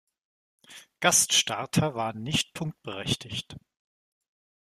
Gaststarter waren nicht punkteberechtigt.